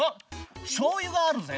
しょうゆがあるぜ。